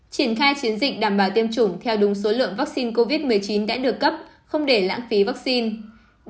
triển khai chiến dịch đảm bảo tiêm chủng theo đúng số lượng vaccine covid một mươi chín đã được cấp không để lãng phí vaccine